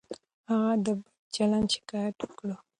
هغه د بد چلند شکایت وکړ.